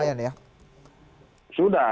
sudah sudah kita lakukan